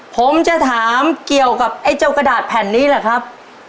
ผมจะถามเกี่ยวกับไอ้เจ้ากระดาษแผ่นนี้แหละครับ